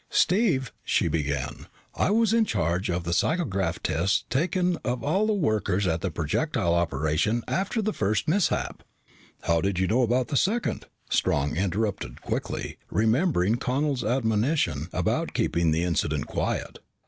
"Steve," she began, "I was in charge of the psychograph tests taken of all the workers at the projectile operation after the first mishap " "How did you know about the second?" Strong interrupted quickly, remembering Connel's admonition about keeping the incident quiet.